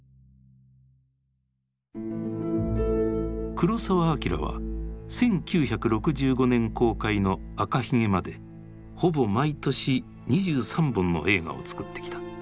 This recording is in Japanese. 黒澤明は１９６５年公開の「赤ひげ」までほぼ毎年２３本の映画を作ってきた。